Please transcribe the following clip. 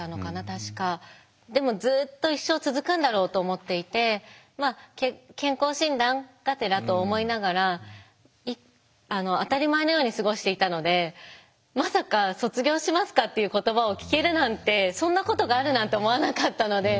でもずっと一生続くんだろうと思っていて健康診断がてらと思いながら当たり前のように過ごしていたのでまさか「卒業しますか？」っていう言葉を聞けるなんてそんなことがあるなんて思わなかったので。